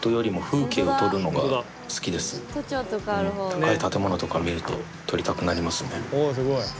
高い建物とか見ると撮りたくなりますね。